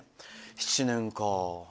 ７年か。